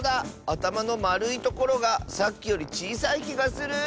あたまのまるいところがさっきよりちいさいきがする。